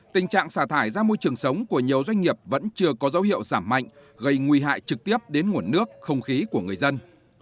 tình trạng xả thải ra môi trường sống của nhiều doanh nghiệp vẫn chưa có dấu hiệu giảm mạnh gây nguy hại trực tiếp đến nguồn nước không khí của người dân